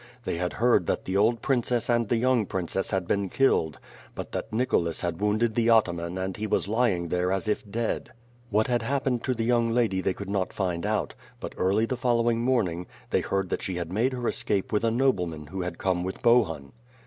They had heard that the old princess and the young princess 296 ^^^B FIRE AND SWORD. had been killed, but that Nicholas had wounded the ataman and that he was lying there as if dead. What had happened to the young lady they could not find out, but early the fol lowing morning, they heard that she had made her escape with a nobleman who had come with Bohun.